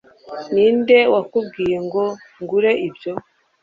Ninde wakubwiye ngo ngure ibyo